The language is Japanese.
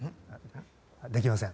できません。